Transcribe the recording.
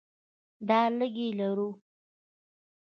دا لږې لرو.